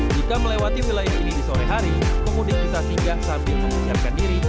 jika melewati wilayah ini di sore hari kemudian kita singgang sambil mempersiapkan diri